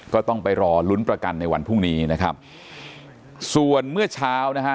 ก็ต้องไปรอลุ้นประกันในวันพรุ่งนี้นะครับส่วนเมื่อเช้านะฮะ